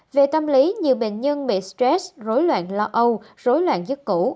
về tâm lý nhiều bệnh nhân bị stress rối loạn lo âu rối loạn giấc ngủ